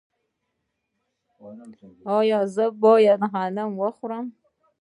ایا زه باید غنم وخورم؟